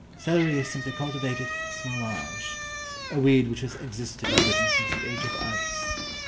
Celery is simply cultivated "smallage"; a weed which has existed in Britain since the age of ice.